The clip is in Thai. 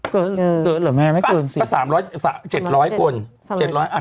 เกินหรอแม่ไม่เกินสิ